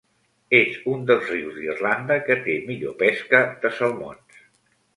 És un dels rius d'Irlanda que té millor pesca de salmons.